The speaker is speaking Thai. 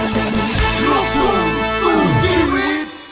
โปรดติดตามตอนต่อไป